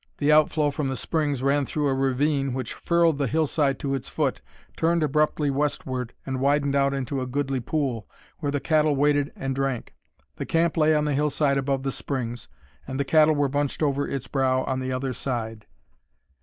The outflow from the springs ran through a ravine which furrowed the hillside to its foot, turned abruptly westward, and widened out into a goodly pool, where the cattle waded and drank. The camp lay on the hillside above the springs, and the cattle were bunched over its brow on the other side.